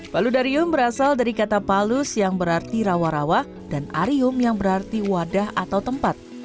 paludarium berasal dari kata palus yang berarti rawa rawa dan arium yang berarti wadah atau tempat